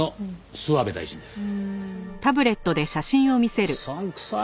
「諏訪部孝一です」